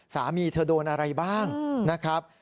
สามีเธอโดนอะไรบ้างนะครับ